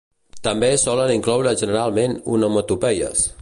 També solen incloure generalment onomatopeies.